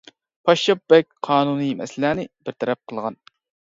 پاششاپ بەگ قانۇنىي مەسىلىلەرنى بىر تەرەپ قىلغان.